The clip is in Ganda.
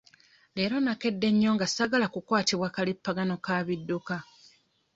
Leero nnakedde nnyo nga ssaagala kukwatibwa kalippagano ka bidduka.